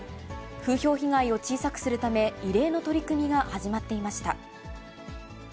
風評被害を小さくするため、異例の取り組みが始まっていました。